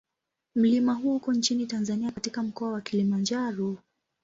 Mlima huo uko nchini Tanzania katika Mkoa wa Kilimanjaro.